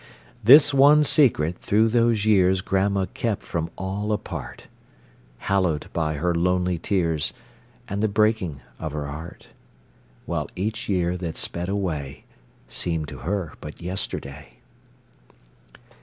This one secret through those years Grandma kept from all apart, Hallowed by her lonely tears And the breaking of her heart; While each year that sped away Seemed to her but yesterday.